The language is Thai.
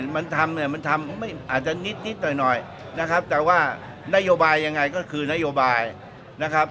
มันทำเนี่ยมันทำไม่อาจจะนิดหน่อยนะครับแต่ว่านโยบายยังไงก็คือนโยบายนะครับ